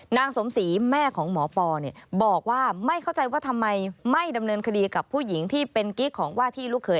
นางสมศรีแม่ของหมอปอบอกว่าไม่เข้าใจว่าทำไมไม่ดำเนินคดีกับผู้หญิงที่เป็นกิ๊กของว่าที่ลูกเขย